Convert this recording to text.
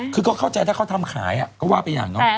คือเขาเข้าใจถ้าเขาทำขายก็ว่าเป็นอย่างน้อย